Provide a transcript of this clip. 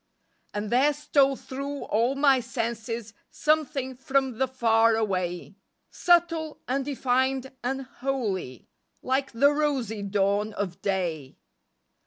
And there stole thru all my senses Something from the far away, Subtile, undefined and holy, Like the rosy dawn of day.